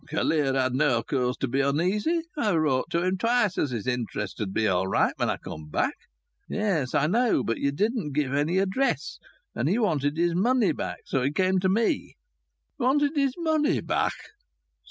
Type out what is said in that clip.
"Callear had no cause to be uneasy. I wrote him twice as his interest 'ud be all right when I come back." "Yes, I know. But you didn't give any address. And he wanted his money back. So he came to me." "Wanted his money back!"